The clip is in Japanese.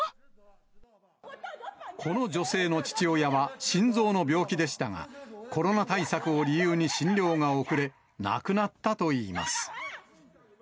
この女性の父親は心臓の病気でしたが、コロナ対策を理由に診療が遅れ、亡くなったといいます。